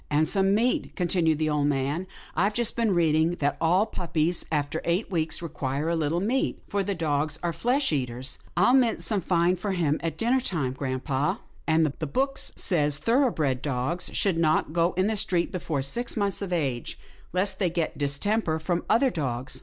" And some meat," continued the old man. " I've just been reading that all puppies, after eight weeks, require a little meat, for dogs are flesh eaters." " I'll mince some fine for him at dinner time, grampa." " And the book says thoroughbred dogs should not go in the street before six months of age, lest they get distemper from other dogs."